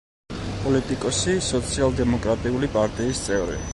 პოლიტიკოსი, სოციალ-დემოკრატიული პარტიის წევრი.